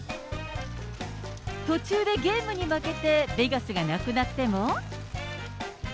途中でゲームに負けて、ベガスがなくなっても。